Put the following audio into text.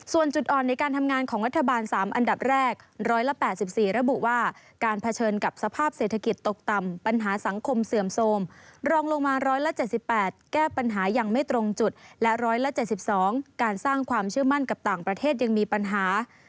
ส่วนจุดอ่อนในการทำงานของรัฐบาลสามอันดับแรกร้อยละแปดสิบสี่ระบุว่าการเผชิญกับสภาพเศรษฐกิจตกต่ำปัญหาสังคมเสื่อมโซมรองลงมาร้อยละเจ็ดสิบแปดแก้ปัญหาอย่างไม่ตรงจุดและร้อยละเจ็ดสิบสองการสร้างความเชื่อมั่นกับต่างประเทศยังมีปัญหา